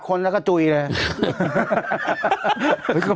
คนแล้วก็จุยเลย